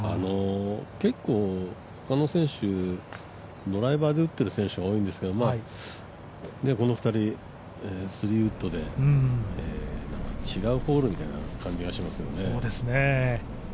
結構、他の選手、ドライバーで打っている選手が多いんですがこの２人、スリーウッドで違うホールみたいな感じがしますよね。